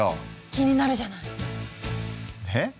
気になるじゃない！え？